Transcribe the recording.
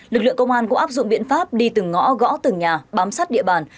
lực lượng công an cũng áp dụng biện pháp đi từng ngõ gõ từng nhà bám sát địa bàn